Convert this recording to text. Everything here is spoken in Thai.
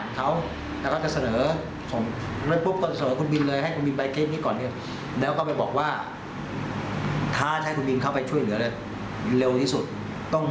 แต่จนทำไมก็หลังวิธีจริง